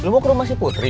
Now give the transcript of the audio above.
lo mau ke rumah si putri